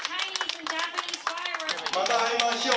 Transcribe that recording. また会いましょう。